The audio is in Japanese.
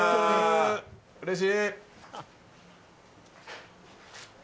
うれしい。